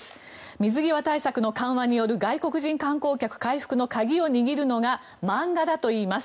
水際対策緩和による外国人観光客回復の鍵を握るのが漫画だといいます。